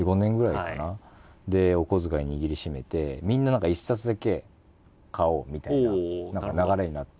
お小遣い握りしめてみんな何か一冊だけ買おうみたいな流れになって。